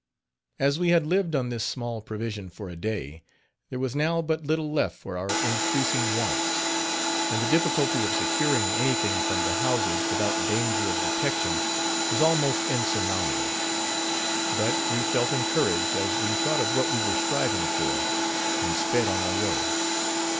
As we had lived on this small provision for a day, there was now but little left for our increasing wants; and the difficulty of securing anything from the houses without danger of detection was almost insurmountable. But we felt encouraged as we thought of what we were striving for, and sped on our way.